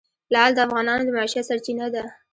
لعل د افغانانو د معیشت سرچینه ده.